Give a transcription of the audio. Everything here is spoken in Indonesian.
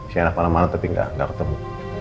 sienna malam malam tapi gak ketemu